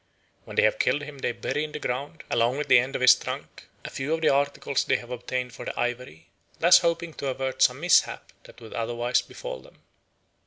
When they have killed him they bury in the ground, along with the end of his trunk, a few of the articles they have obtained for the ivory, thus hoping to avert some mishap that would otherwise befall them.